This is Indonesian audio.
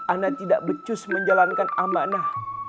anda tidak becus menjalankan amanah